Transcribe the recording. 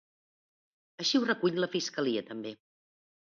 Així ho recull la fiscalia també.